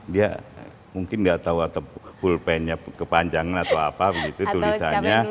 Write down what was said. dia mungkin tidak tahu pulpennya kepanjang atau apa gitu tulisannya